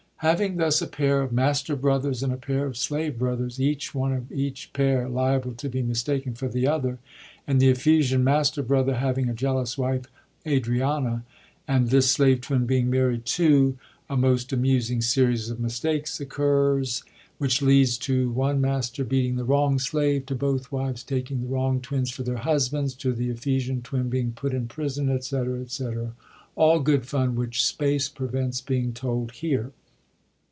Having thus a pair of master brothers and a pair of slave brothers, each one of each pair liable to be mistaken for the other, and the Ephesian master brother having a jealous wife, Adriana, and this slave twin being married too, a most amusing series of mistakes occurs, which lead to one master 78 MI1>SUMMER'NIGHT'S DREAM beating the wrong slave, to both wives taking the wrong twins for their husbands, to the Ephesian twin being put in prison, &e., &e., all good fun which space prevents being told here.